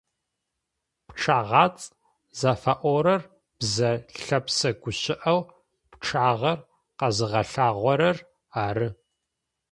ПчъэгъацӀ зыфаӀорэр бзэ лъэпсэ гущыӏэу пчъагъэр къэзыгъэлъагъорэр ары.